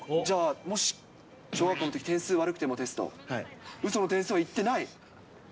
じゃあもし小学校のとき、点数が悪くても、テスト、うその点数は言ってない？